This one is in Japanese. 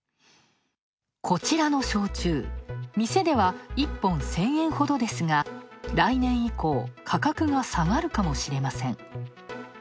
こちらの焼酎、店では１本１０００円ほどですが来年以降、価格が下がるかもしれません。